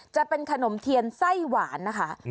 จะเป็นขนมเทียนไส้หวานนะคะ